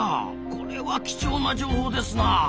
これは貴重な情報ですなあ。